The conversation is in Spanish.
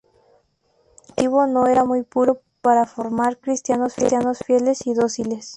Este motivo no era muy puro para formar cristianos fieles y dóciles.